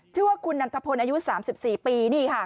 ชื่อว่าคุณนัทพลอายุ๓๔ปีนี่ค่ะ